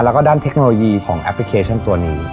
แล้วก็ด้านเทคโนโลยีของแอปพลิเคชันตัวนี้